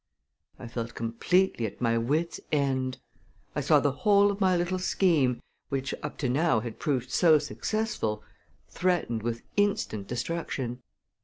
I felt completely at my wit's end! I saw the whole of my little scheme, which up to now had proved so successful, threatened with instant destruction.